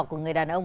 của người đàn ông